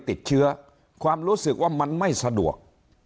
ติดเชื้อความรู้สึกว่ามันไม่สะดวก